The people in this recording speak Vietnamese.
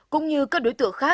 cũng như các đối tượng khác